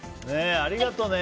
ありがとね！